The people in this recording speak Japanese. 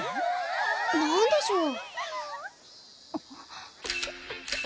・何でしょう？